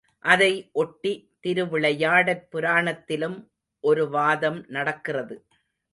அதை ஒட்டித் திருவிளையாடற் புராணத்திலும் ஒரு வாதம் நடக்கிறது.